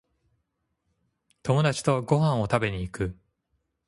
友達とご飯を食べに行く